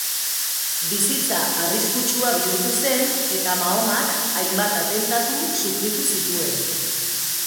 Bizitza arriskutsua bihurtu zen eta Mahomak hainbat atentatu sufritu zituen.